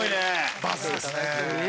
バズですね！